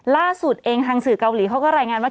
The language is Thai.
ล่าสุดเองทางสื่อเกาหลีเขาก็รายงานว่า